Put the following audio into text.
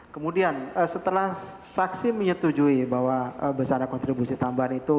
kemudian setelah saksi menyetujui bahwa besaran kontribusi tambahan itu